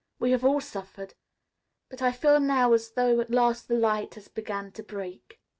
We have all suffered. But I feel now as though at last the light had begun to break."